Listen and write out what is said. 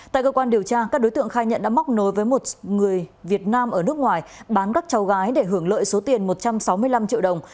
tại cơ quan điều tra các đối tượng khai nhận đã móc nối với một người việt nam ở nước ngoài bán các cháu gái để hưởng lợi số tiền một trăm sáu mươi năm triệu đồng